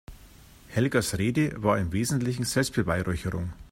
Helgas Rede war im Wesentlichen Selbstbeweihräucherung.